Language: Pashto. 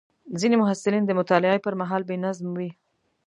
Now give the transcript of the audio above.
ځینې محصلین د مطالعې پر مهال بې نظم وي.